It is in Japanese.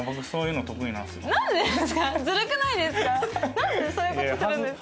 なんでそういう事するんですか？